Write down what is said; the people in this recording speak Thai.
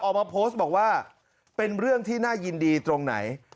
ออกมาโพสต์บอกว่าเป็นเรื่องที่น่ายินดีตรงไหน